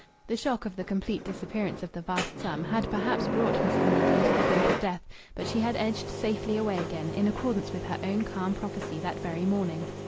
The shock of the complete disappearance of the vast sum had perhaps brought Mrs. Maldon to the brink of death, but she had edged safely away again, in accordance with her own calm prophecy that very morning.